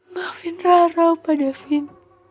maafin rara pak devin